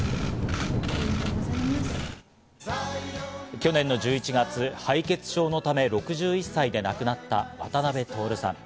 去年の１１月、敗血症のため６１歳で亡くなった渡辺徹さん。